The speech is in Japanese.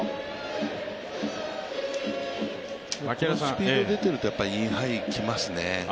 スピード出ているとインハイ来ますね。